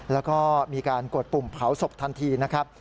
แล้วก็มีการกดปุ่มเผาศพทันทีนะครับ